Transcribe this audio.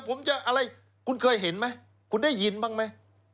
ผมจะอะไรคุณเคยเห็นไหมคุณได้ยินบ้างไหม